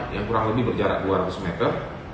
yang kurang lebih berjarak dua ratus meter